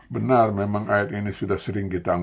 benar memang ayat ini sudah sering kita